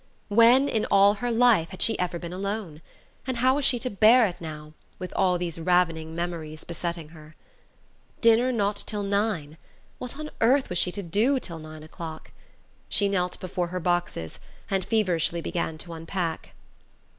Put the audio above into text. When, in all her life, had she ever been alone? And how was she to bear it now, with all these ravening memories besetting her! Dinner not till nine? What on earth was she to do till nine o'clock? She knelt before her boxes, and feverishly began to unpack.